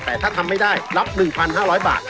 แต่ถ้าทำไม่ได้รับ๑๕๐๐บาท